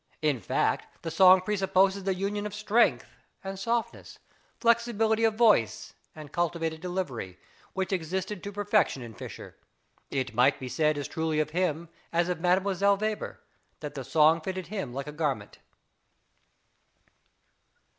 In fact, the song presupposes the union of strength and softness, flexibility of voice and cultivated delivery, which existed to perfection in Fischer; it might be said as truly of him as of Mdlle. Weber, that the song fitted him like a garment.